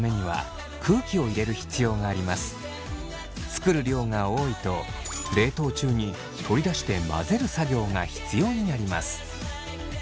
作る量が多いと冷凍中に取り出して混ぜる作業が必要になります。